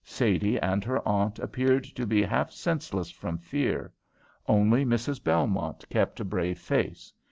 Sadie and her aunt appeared to be half senseless from fear. Only Mrs. Belmont kept a brave face.